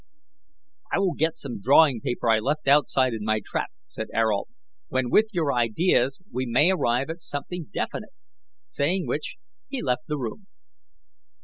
"I will get some drawing paper I left outside in my trap," said Ayrault, "when with your ideas we may arrive at something definite," saying which, he left the room.